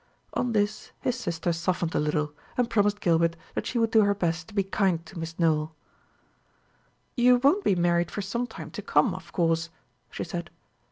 On this his sister softened a little, and promised Gilbert that she would do her best to be kind to Miss Nowell. "You won't be married for some time to come, of course," she said.